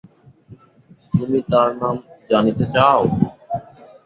তুমি তার নাম জানিতে চাও?